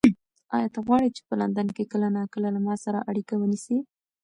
ایا ته غواړې چې په لندن کې کله ناکله له ما سره اړیکه ونیسې؟